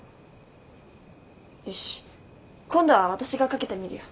よし今度は私がかけてみるよ。